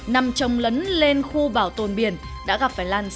nằm trong lấn lên khu bảo tồn biển